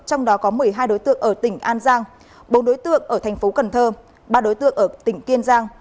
trong đó có một mươi hai đối tượng ở tỉnh an giang bốn đối tượng ở thành phố cần thơ ba đối tượng ở tỉnh kiên giang